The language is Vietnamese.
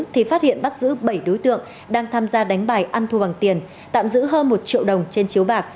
thì phát hiện bắt giữ bảy đối tượng đang tham gia đánh bài ăn thua bằng tiền tạm giữ hơn một triệu đồng trên chiếu bạc